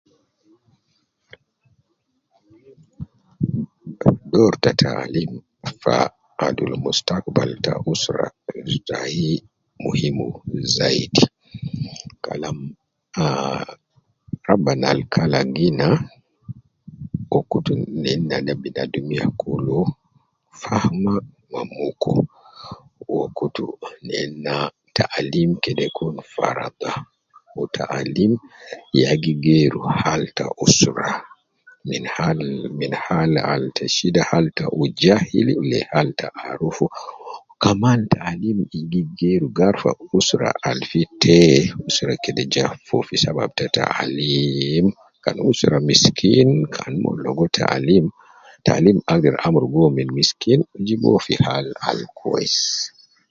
Dor ta taalim fi aduli mustakbal ta usra muhim zaidi Kalam aa rabbana Al kalagu Ina uwo kutu neinanbinadum taalim muhim zaidi. Taalim gi geeru gi arufa usra Al miskin ta tee min miskin